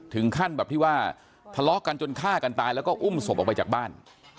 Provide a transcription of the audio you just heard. ถึงขั้นแบบที่ว่าทะเลาะกันจนฆ่ากันตายแล้วก็อุ้มศพออกไปจากบ้าน